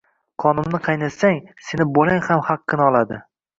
Qonimni qaynatsang, sening bolang ham haqqini oladi.